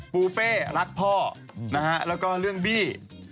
ปูเป้รักพ่อนะฮะแล้วก็เรื่องบี้